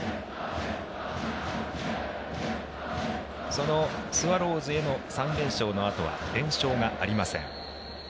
そのスワローズへの３連勝のあとは連勝がありません。